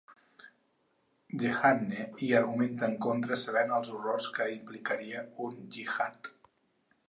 Jehanne hi argumenta en contra sabent els horrors que implicaria un gihad.